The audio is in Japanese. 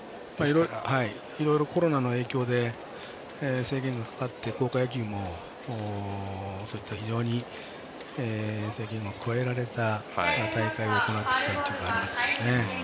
コロナの影響で制限がかかって、高校野球も非常に制限を加えられた大会を行ってきたということですね。